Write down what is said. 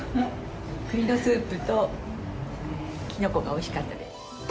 くりのスープときのこがおいしかったです。